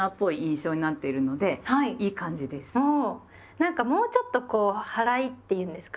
なんかもうちょっとこう「はらい」って言うんですか。